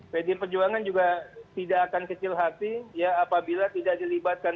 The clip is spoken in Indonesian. pdi perjuangan juga tidak akan kecil hati ya apabila tidak dilibatkan